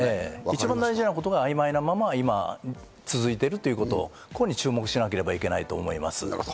一番大事なところが曖昧に続いているというところに注目しなければいけないと思います。